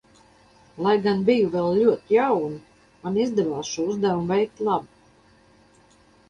Lai gan biju vēl ļoti jauna, man izdevās šo uzdevumu veikt labi.